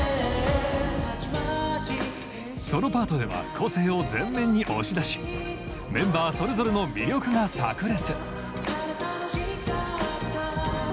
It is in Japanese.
ソロパートでは個性を前面に押し出しメンバーそれぞれの魅力がさく裂！